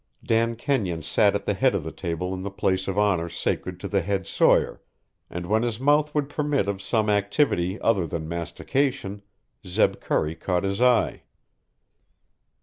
Dan Kenyon sat at the head of the table in the place of honour sacred to the head sawyer, and when his mouth would permit of some activity other than mastication, Zeb Curry caught his eye.